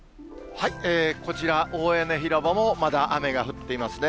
こちら、大屋根広場もまだ雨が降っていますね。